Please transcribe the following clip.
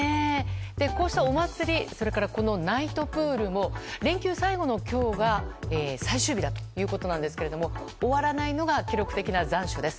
こうしたお祭りそれからナイトプールも連休最後の今日が最終日だということなんですが終わらないのが記録的な残暑です。